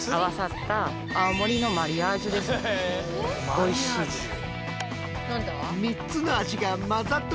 おいしいです。